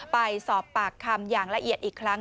ไปสอบปากคำอย่างละเอียดอีกครั้ง